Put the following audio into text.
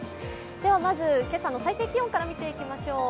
まず今朝の最低気温から見ていきましょう。